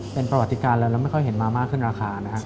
เป็นประวัติการเลยเราไม่ค่อยเห็นมามากขึ้นราคานะฮะ